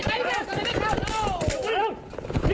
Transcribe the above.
คันล็อค